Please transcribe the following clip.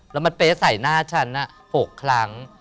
แล้วมันเป๊ะใส่หน้าฉัน๖ครั้ง